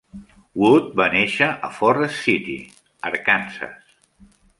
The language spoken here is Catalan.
Wood va néixer a Forrest City, Arkansas.